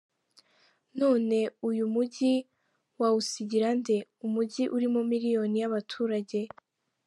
None uyu mujyi wawusigira nde, umujyi urimo miliyoni y’abaturage ?”.